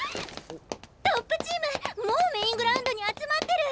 トップチームもうメイングラウンドに集まってる！